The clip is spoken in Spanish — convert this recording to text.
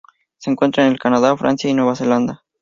Se encuentra en el Canadá, Francia y Nueva Zelanda.